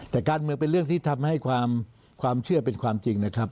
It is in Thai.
แต่การเมืองเป็นเรื่องที่ทำให้ความเชื่อเป็นความจริงนะครับ